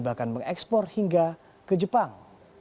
bahkan mengekspor hingga ke jepang